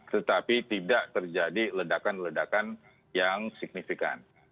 tetapi tidak terjadi ledakan ledakan yang signifikan